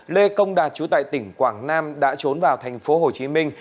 lê công đạt trú tại tỉnh quảng nam đã trốn vào thành phố hồ chí minh